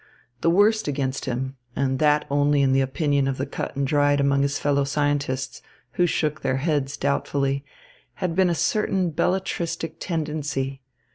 The worst against him and that only in the opinion of the cut and dried among his fellow scientists, who shook their heads doubtfully had been a certain belletristic tendency.